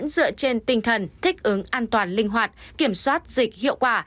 dựa trên tinh thần thích ứng an toàn linh hoạt kiểm soát dịch hiệu quả